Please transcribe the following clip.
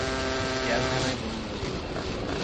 জেলখানায় বন্দী ছিল।